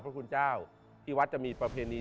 พระคุณเจ้าที่วัดจะมีประเพณี